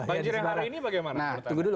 banjir yang hari ini bagaimana menurut anda